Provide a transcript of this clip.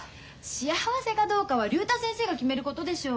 幸せかどうかは竜太先生が決めることでしょう。